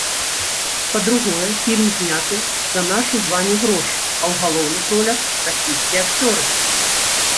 Па-другое, фільм зняты за нашы з вамі грошы, а ў галоўных ролях расійскія акцёры.